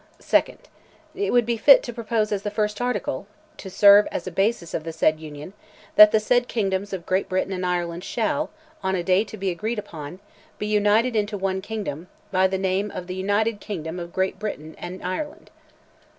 2nd. "It would be fit to propose as the first article, to serve as a basis of the said union, that the said kingdoms of Great Britain and Ireland shall, on a day to be agreed upon, be united into one kingdom, by the name of the United Kingdom of Great Britain and Ireland.